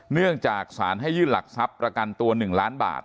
เนื่องจากสารให้ยื่นหลักทรัพย์ประกันตัว๑ล้านบาท